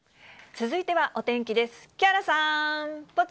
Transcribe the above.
続いてはお天気です。